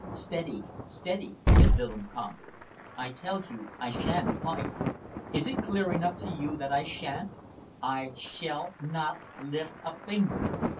"Steady! steady!" said Willems calmly. "I tell you I sha'n't fight. Is it clear enough to you that I sha'n't? I shall not lift a finger."